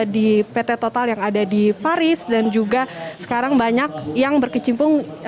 di pt total yang ada di paris dan juga sekarang banyak yang berkecimpung